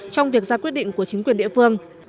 trong việc ra quyết định của chính quyền địa phương